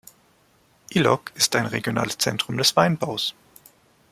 Ilok ist ein regionales Zentrum des Weinbaus.